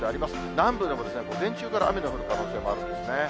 南部でも午前中から雨の降る可能性もあるんですね。